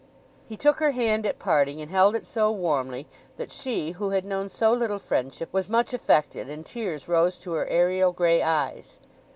He took her hand at parting, and held it so warmly that she, who had known so little friendship, was much affected, and tears rose to her aerial grey eyes.